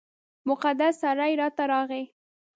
مقدس سړی راته راغی.